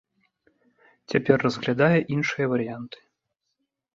Цяпер разглядае іншыя варыянты.